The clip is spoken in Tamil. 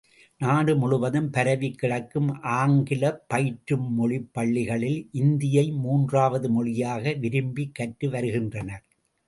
நாடு முழுவதும் பரவிக் கிடக்கும் ஆங்கிலப் பயிற்று மொழிப் பள்ளிகளில் இந்தியை மூன்றாவது மொழியாக விரும்பி கற்று வருகின்றனர்.